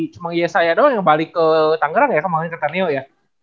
cuma yesaya doang yang balik ke tangerang ya kemaren ke taneo ya